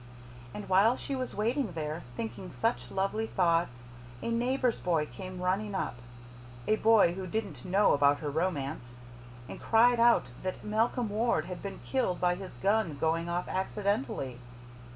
And while she was waiting there, thinking such lovely thoughts, a neighbour's boy came running up a boy who didn't know about her romance and cried out that Malcolm Ward had been killed by his gun going off accidentally.